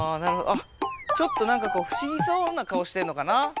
あっちょっとなんかふしぎそうな顔してんのかな。